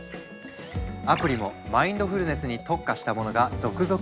アプリもマインドフルネスに特化したものが続々登場。